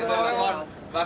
em bảo anh ăn cắp